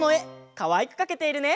かわいくかけているね！